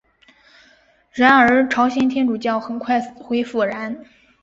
然而朝鲜天主教很快死灰复燃。